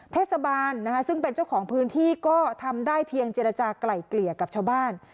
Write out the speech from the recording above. เทศบาลนะคะซึ่งเป็นเจ้าของพื้นที่ก็ทำได้เพียงเจรจากลายเกลี่ยกับชาวบ้าน